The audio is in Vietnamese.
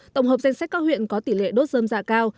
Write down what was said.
tổng hợp danh sách các huyện có tỷ lệ đốt dơm dạ cao